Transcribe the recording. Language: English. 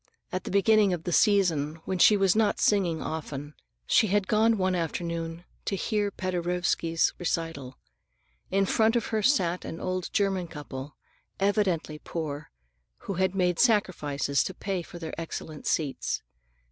At the beginning of the season, when she was not singing often, she had gone one afternoon to hear Paderewski's recital. In front of her sat an old German couple, evidently poor people who had made sacrifices to pay for their excellent seats.